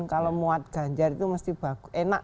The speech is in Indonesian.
kalau muat ganjar itu mesti enak